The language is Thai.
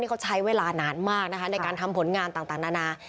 เขาใช้เวลานานมากนะคะในการทำผลงานต่างนานา